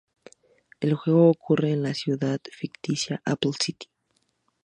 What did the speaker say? El juego ocurre en la Ciudad Ficticia Apple City.